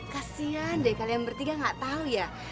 kasian deh kalian bertiga gak tahu ya